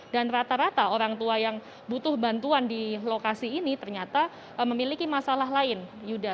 dan rata rata orang tua yang butuh bantuan di lokasi ini ternyata memiliki masalah lain yuda